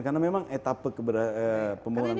karena memang etapa pembangunan